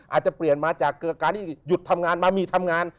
อาจจะเปลี่ยนมาจากการที่หยุดทำงานมามีทำงาน